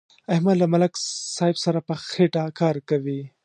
احمد له ملک صاحب سره په خېټه کار کوي.